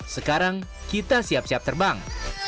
sekarang kita siap siap terbang